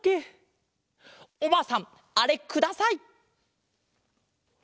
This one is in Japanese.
おばあさんあれください！